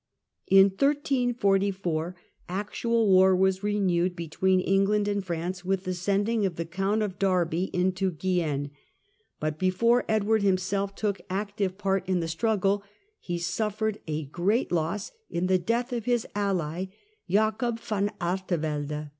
In 1344 actual war was renewed between England and France with the sending of the Count of Derby into Guienne ; but before Edward himself took active part in the struggle, he suffered a great loss in the death of his ally Jacob van Artevelde.